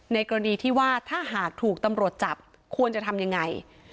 กรณีที่ว่าถ้าหากถูกตำรวจจับควรจะทำยังไง